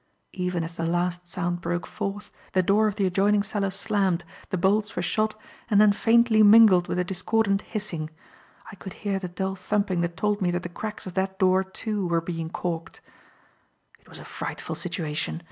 Even as the last sound broke forth, the door of the adjoining cellar slammed, the bolts were shot and then faintly mingled with the discordant hissing. I could hear the dull thumping that told me that the cracks of that door, too, were being caulked. It was a frightful situation.